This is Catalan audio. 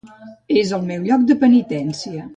És el meu lloc de penitència.